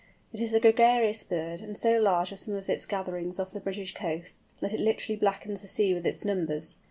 It is a gregarious bird, and so large are some of its gatherings off the British coasts, that it literally blackens the sea with its numbers.